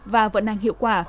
và vận năng hiệu quả